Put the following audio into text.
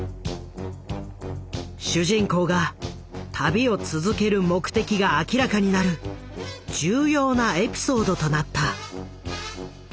主人公が旅を続ける目的が明らかになる重要なエピソードとなった。